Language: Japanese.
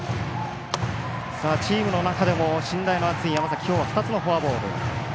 チームの中でも信頼の厚い山崎きょうは２つのフォアボール。